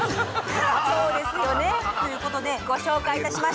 そうですよね。ということでご紹介いたしましょう。